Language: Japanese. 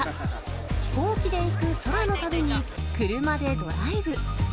飛行機で行く空の旅に、車でドライブ。